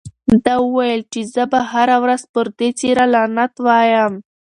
ده وویل چې زه به هره ورځ پر دې څېره لعنت وایم.